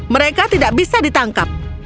mereka tidak bisa ditangkap